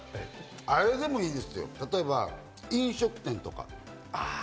これ、あれでもいいですよ、飲食店とか。